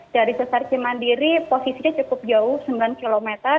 dari sesar cimandiri posisinya cukup jauh sembilan km